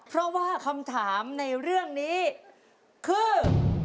เพราะว่าคำถามในเรื่องนี้คือ